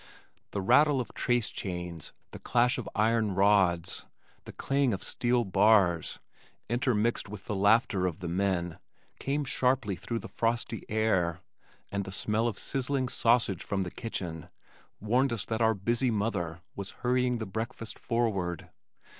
The rattle of trace chains, the clash of iron rods, the clang of steel bars, intermixed with the laughter of the men, came sharply through the frosty air, and the smell of sizzling sausage from the kitchen warned us that our busy mother was hurrying the breakfast forward.